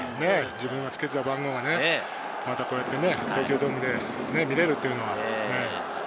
自分がつけていた番号がまた、こうやって東京ドームで見れるというのは。